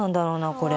これ。